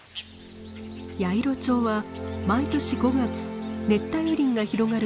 ヤイロチョウは毎年５月熱帯雨林が広がる